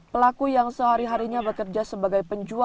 pelaku yang sehari harinya bekerja sebagai penjual